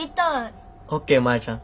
ＯＫマヤちゃん。